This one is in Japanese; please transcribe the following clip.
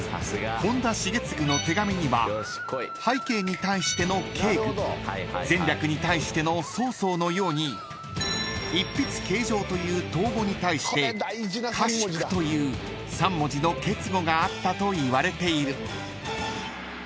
本多重次の手紙には「拝啓」に対しての「敬具」「前略」に対しての「草々」のように「一筆啓上」という頭語に対して「かしく」という３文字の結語があったといわれている］